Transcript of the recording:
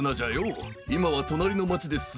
いまはとなりのまちです